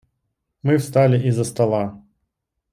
Мы встали из-за стола.